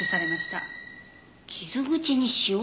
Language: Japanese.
傷口に塩？